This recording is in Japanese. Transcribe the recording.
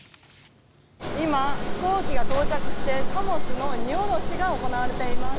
今、飛行機が到着して貨物の荷下ろしが行われています。